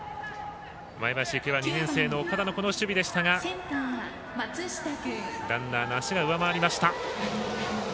前橋育英は２年生の岡田のこの守備でしたがランナーの足が上回りました。